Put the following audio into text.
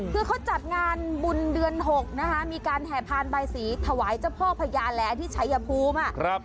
คือเขาจัดงานบุญเดือน๖นะคะมีการแห่พานบายสีถวายเจ้าพ่อพญาแหลที่ชัยภูมิ